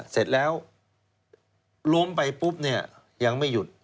เสร็จแล้วล้มไปปุ๊บเนี่ยยังไม่หยุด